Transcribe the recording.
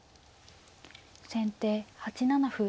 先手８七歩。